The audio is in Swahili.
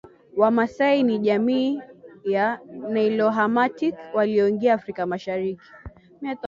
Wamasai ni jamii ya Nilo Hamitic walioingia Afrika Mashariki